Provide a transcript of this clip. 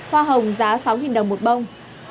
hoa hồng giá sáu đồng một bông